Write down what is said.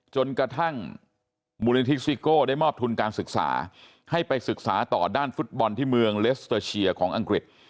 จนกระทั่งมูลนิธิซิโก้ได้มอบทุนการศึกษาให้ไปศึกษาต่อด้านฟุตบอลที่เมืองเลสเตอร์เชียร์ของอังกฤษ